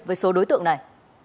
với số đối tượng này